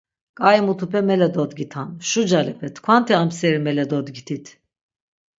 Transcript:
K̆ai mutupe mele dodgitan, şu calepe tkvanti amseri mele dodgitit.